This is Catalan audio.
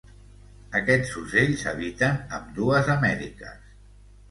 Aquests ocells habiten ambdues Amèriques.